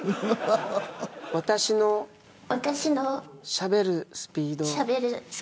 私のしゃべるスピード